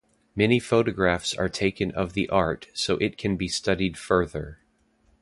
Many photographs are taken of the art so it can be studied further.